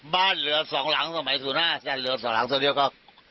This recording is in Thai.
บ้านเหลือสองหลังสมัยสูตรหน้าแค่เหลือสองหลังเท่าเรียกก็